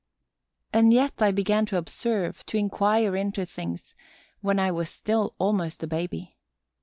And yet I began to observe, to inquire into things, when I was still almost a baby.